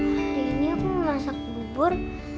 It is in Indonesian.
hari ini aku mau masak bubur